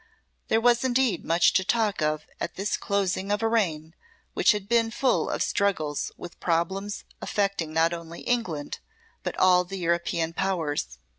There was indeed much to talk of at this closing of a reign which had been full of struggles with problems affecting not only England but all the European powers.